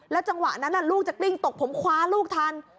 จังหวะนั้นลูกจะกลิ้งตกผมคว้าลูกทัน